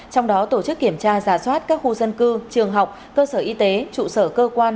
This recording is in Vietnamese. trong đó tổ chức kiểm tra giả soát các khu dân cư trường học cơ sở y tế trụ sở cơ quan